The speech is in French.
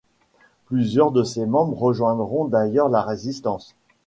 Plusieurs de ses membres rejoindront d'ailleurs la Résistance.